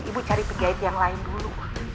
ibu cari pika hit yang lain dulu